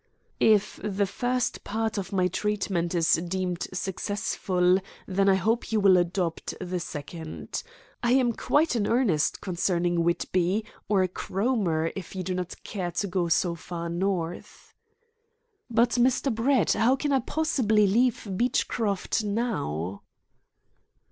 "If the first part of my treatment is deemed successful, then I hope you will adopt the second. I am quite in earnest concerning Whitby, or Cromer, if you do not care to go far north." "But, Mr. Brett, how can I possibly leave Beechcroft now?"